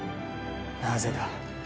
なぜだ？